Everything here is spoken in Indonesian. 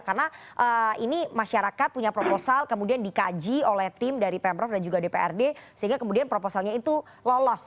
karena ini masyarakat punya proposal kemudian dikaji oleh tim dari pemprov dan juga dprd sehingga kemudian proposalnya itu lolos